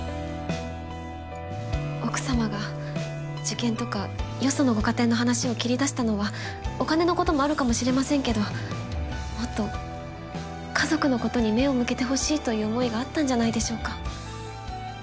奥様が受験とかよそのご家庭の話を切り出したのはお金のこともあるかもしれませんけどもっと家族のことに目を向けてほしいという思いがあったんじゃないでしょうか？